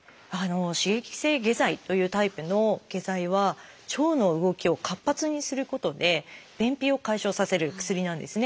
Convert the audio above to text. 刺激性下剤というタイプの下剤は腸の動きを活発にすることで便秘を解消させる薬なんですね。